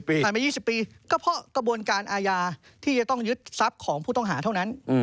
ผ่านมา๒๐ปีก็เพราะกระบวนการอาญาที่จะต้องยึดทรัพย์ของผู้ต้องหาเท่านั้น